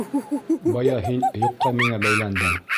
Бая һин юҡка миңә бәйләндең.